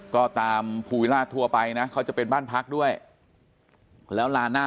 ก็ตามภูวิราชทั่วไปนะเขาจะเป็นบ้านพักด้วยแล้วลานหน้า